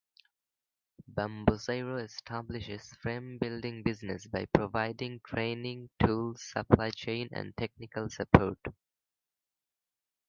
Bamboosero establishes frame building business by providing training, tools, supply chain, and technical support.